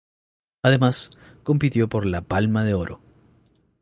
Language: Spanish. Además, compitió por la Palma de Oro.